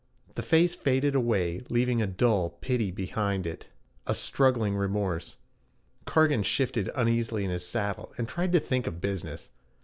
The face faded away leaving a dull pity behind it, a struggling remorse. Cargan shifted uneasily in his saddle, and tried to think of business.